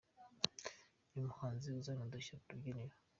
Ni umuhanzi uzana udushya ku rubyiniro